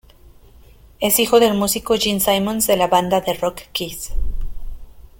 Es hijo del músico Gene Simmons de la banda de rock Kiss.